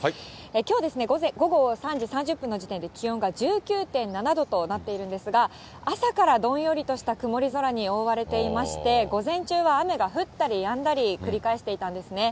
きょう午後３時３０分の時点で気温が１９．７度となっているんですが、朝からどんよりとした曇り空に覆われていまして、午前中は雨が降ったりやんだり、繰り返していたんですね。